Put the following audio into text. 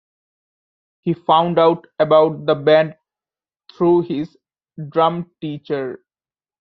He found out about the band through his drum teacher.